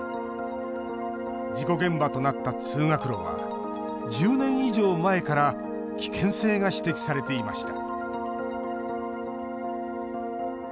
事故現場となった通学路は１０年以上前から危険性が指摘されていました。